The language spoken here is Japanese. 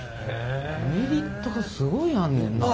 メリットがすごいあんねんな。